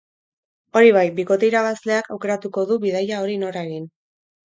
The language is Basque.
Hori bai, bikote irabazleak aukeratuko du bidaia hori nora egin.